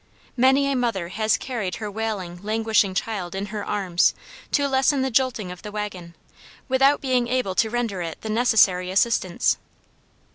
Many a mother has carried her wailing, languishing child in her arms, to lessen the jolting of the wagon, without being able to render it the necessary assistance.